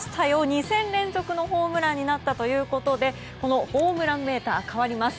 ２戦連続のホームランになったということでこのホームランメーター変わります。